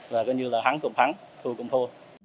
và coi như là thắng cùng thắng thua cùng thua